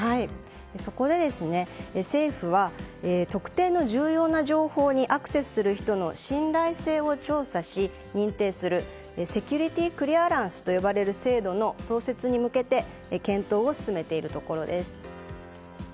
そこで政府は特定の重要な情報にアクセスする人の信頼性を調査し、認定するセキュリティークリアランスと呼ばれる制度の創設に向けて検討を進めているところです。